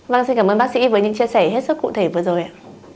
vâng xin cảm ơn bác sĩ với những chia sẻ hết sức cụ thể vừa rồi ạ